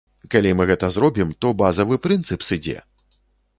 Калі мы гэта зробім, то базавы прынцып сыдзе!